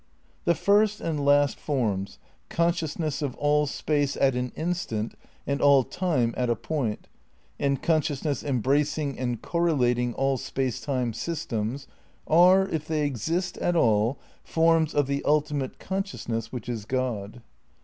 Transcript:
The first and last forms, consciousness of all space at an instant and all time at a point, and consciousness embracing and correlating all space time systems, are, if they exist at all, forms of the ultimate consciousness which is God.